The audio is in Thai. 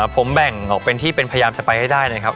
ผมแบ่งออกเป็นที่เป็นพยายามจะไปให้ได้นะครับ